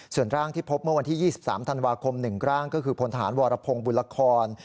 ส่วนร่างที่พบเมื่อวันที่๒๓ธันวาคม๑ร่างก็คือพลทหารวรพงศ์บุรคร